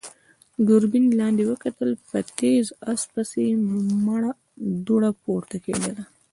ګرګين لاندې وکتل، په تېز آس پسې مړه دوړه پورته کېدله.